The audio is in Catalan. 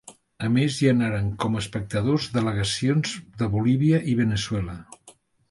A més, hi anaren com a espectadors delegacions de Bolívia i Veneçuela.